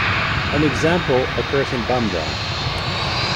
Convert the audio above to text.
An example occurs in Bambara.